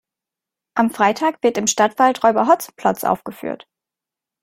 Am Freitag wird im Stadtwald Räuber Hotzenplotz aufgeführt.